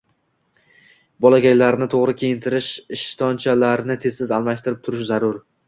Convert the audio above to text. Bolakaylarni to‘g‘ri kiyintirish, ishtonchalarini tez-tez almashtirib turish zarur.